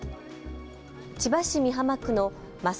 千葉市美浜区の真砂